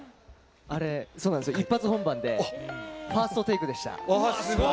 あれ、一発本番でファーストテイクでした。